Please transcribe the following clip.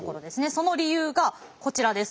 その理由がこちらです。